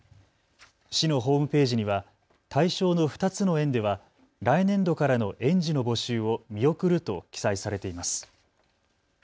市のホームページには対象の２つの園では来年度からの園児の募集を見送ると記載されています。